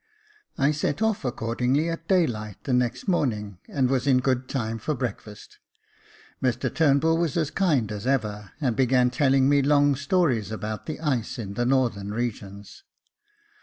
I set off accordingly at daylight the next morning, and was in good time for breakfast. Mr Turnbull was as kind as ever, and began telling me long stories about the ice in the northern regions.